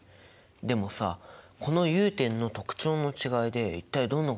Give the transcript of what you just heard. でもさこの融点の特徴の違いで一体どんなことが分かるの？